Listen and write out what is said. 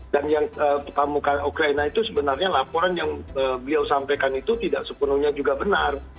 dan yang tamu ukraina itu sebenarnya laporan yang beliau sampaikan itu tidak sepenuhnya juga benar